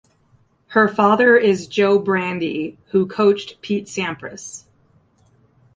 Her father is Joe Brandi, who coached Pete Sampras.